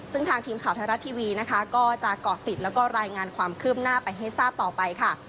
ซึ่งทางทีมข่าวไทยรัฐทีวีก็จะก่อติดและรายงานความคืบหน้าไปให้ทราบต่อไป